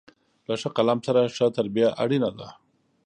له ښه قلم سره، ښه تربیه اړینه ده.